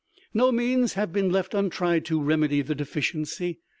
No means have been left untried to remedy the deficiency.